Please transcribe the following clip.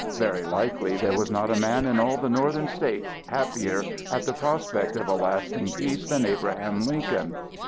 Very likely there was not a man in all the Northern States happier at the prospect of a lasting peace than Abraham Lincoln.